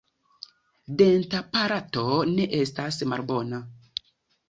Dentaparato ne estas malbona.